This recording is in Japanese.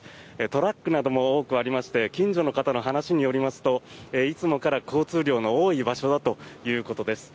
トラックなども多くありまして近所の方の話によりますといつも交通量が多い場所だということです。